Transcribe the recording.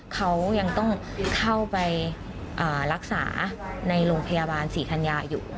เขายังต้องเข้าไปรักษาในโรงพยาบาลศรีธัญญาอยู่